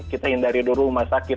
kita hindari dulu rumah sakit